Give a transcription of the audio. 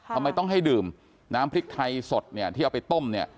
ทำไมต้องให้ดื่มน้ำพริกไทยสดที่เอาไปต้ม